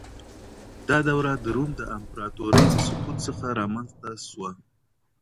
دا دوره د روم د امپراطورۍ د سقوط څخه رامنځته سوه.